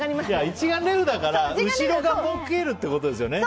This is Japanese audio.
一眼レフだから後ろがぼけるってことですよね。